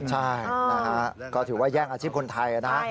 ใช่ก็ถือว่าแยกอาชีพคนไทยนะ